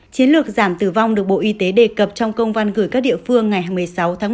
chiến lược giảm tử vong được bộ y tế đề cập trong công văn gửi các địa phương ngày một mươi sáu tháng một mươi